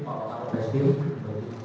pak lokak presidium